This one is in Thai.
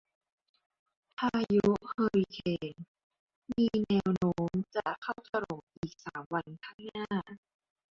พายุเฮอริเคนมีมีแนวโน้มจะเข้าถล่มอีกสามวันข้างหน้า